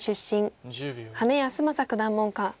羽根泰正九段門下。